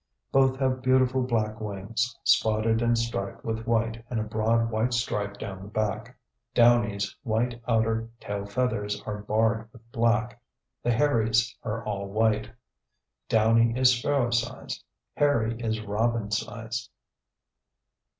Both have beautiful black wings, spotted and striped with white and a broad white stripe down the back. Downy's white outer tail feathers are barred with black; the Hairy's are all white. Downy is sparrow size; Hairy is robin size.